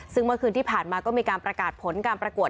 ซึ่งเมื่อคืนที่ผ่านมาก็มีการประกาศผลการประกวด